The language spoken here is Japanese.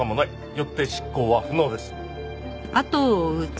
よって執行は不能です。